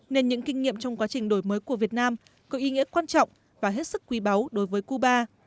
nên những kinh nghiệm trong quá trình đổi mới của việt nam có ý nghĩa quan trọng và hết sức quý báu đối với cuba